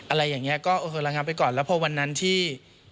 อะไรอย่างนี้ก็โอเคระงับไปก่อนแล้วพอวันนั้นที่